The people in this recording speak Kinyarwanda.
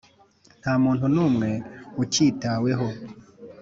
nta muntu n’umwe ukitaweho.